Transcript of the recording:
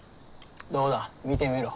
どうだ見てみろ。